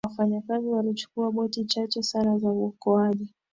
wafanyakazi walichukua boti chache sana za uokoaji